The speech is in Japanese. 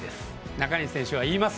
中西選手は言います。